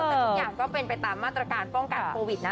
แต่ทุกอย่างก็เป็นไปตามมาตรการป้องกันโควิดนะ